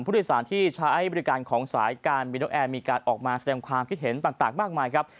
ผู้โดยสารที่ใช้บริการของสายการบินนกแอร์มีการออกมาแสดงความคิดเห็นต่างมากมายครับ